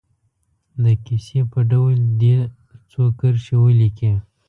د کیسې په ډول دې څو کرښې ولیکي.